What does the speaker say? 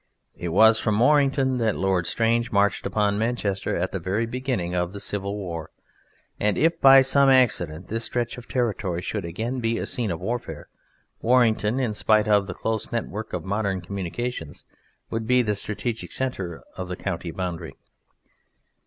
It was from Warrington that Lord Strange marched upon Manchester at the very beginning of the Civil War, and if by some accident this stretch of territory should again be a scene of warfare, Warrington, in spite of the close network of modern communications, would be the strategic centre of the county boundary.